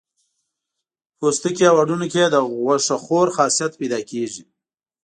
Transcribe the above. پوستکي او هډونو کې یې د غوښه خور خاصیت پیدا کېږي.